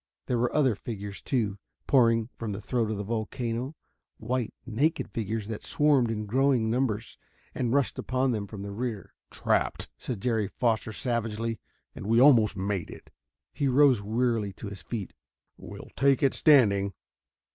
There were other figures, too, pouring from the throat of the volcano white, naked figures that swarmed in growing numbers and rushed across upon them from the rear. "Trapped," said Jerry Foster savagely, "and we almost made it." He rose wearily to his feet. "We'll take it standing."